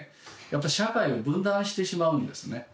社会を分断してしまうんですね。